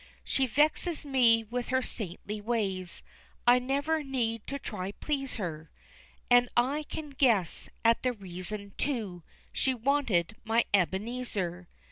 She vexes me with her saintly ways, I never need try to please her, And I can guess at the reason too, She wanted my Ebenezer.